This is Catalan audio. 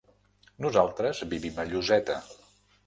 Nosaltres vivim a Lloseta.